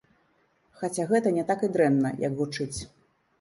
Хаця гэта не так і дрэнна, як гучыць.